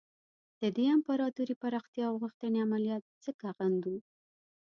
د دې امپراطوري پراختیا غوښتنې عملیات ځکه غندو.